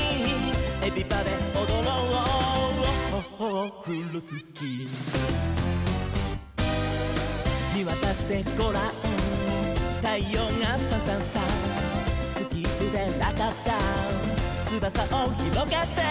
「エビバデおどろうオッホッホオフロスキー」「みわたしてごらんたいようがサンサンサン」「スキップでラタッターつばさをひろげて」